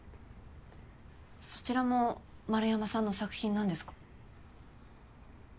そちらも円山さんの作品なんですか？